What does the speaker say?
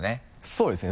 そうですね。